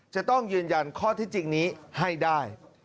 จะต้องยืนยันข้อที่จริงนี้ให้ได้